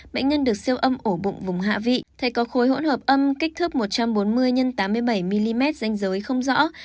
bệnh nhân được siêu âm ổ bụng vùng hạ vị thấy có khối hỗn hợp âm kích thước một trăm bốn mươi x tám mươi bảy mm danh giới không rõ